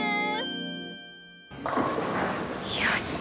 よし。